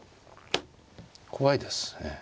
怖いです。